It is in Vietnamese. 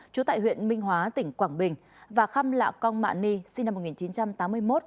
trú tại huyện minh hóa tỉnh quảng bình và khăm lạ cong mạ ni sinh năm một nghìn chín trăm tám mươi một